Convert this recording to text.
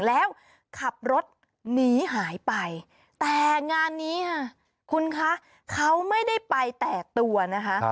แล้วขับรถหนีหายไปแต่งานนี้ค่ะคุณคะเขาไม่ได้ไปแตกตัวนะคะ